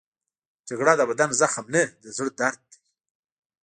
جګړه د بدن زخم نه، د زړه درد دی